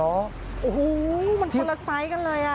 โอ้โหมันคนละไซส์กันเลย